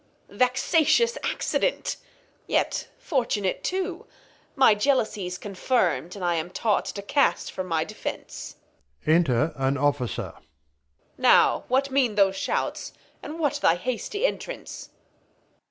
Vexatious Accident ! Yet fortunate too, My Jealousie's confirmed, and I am taught To cast for my Defence [Enter an Officer. Now, what mean those Shouts? And that thy hasty Entrance